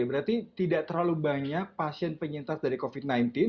berarti tidak terlalu banyak pasien penyintas dari covid sembilan belas